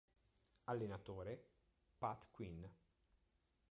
Allenatore: Pat Quinn.